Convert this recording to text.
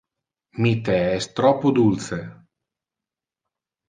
Mi the es troppo dulce.